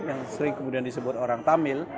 yang sering kemudian disebut orang tamil